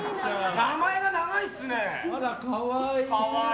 名前が長いですね！